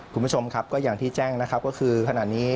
คุณผู้ชมครับก็อย่างที่แจ้งนะครับก็คือขณะนี้